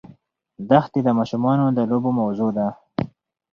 دښتې د ماشومانو د لوبو موضوع ده.